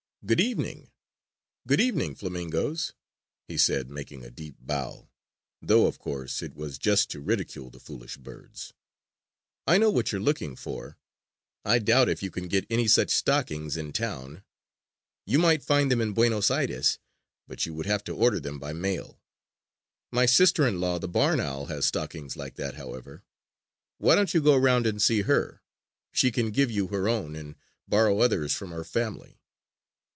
"Good evening, good evening, flamingoes," he said, making a deep bow, though, of course, it was just to ridicule the foolish birds. "I know what you are looking for. I doubt if you can get any such stockings in town. You might find them in Buenos Aires; but you would have to order them by mail. My sister in law, the barn owl, has stockings like that, however. Why don't you go around and see her? She can give you her own and borrow others from her family."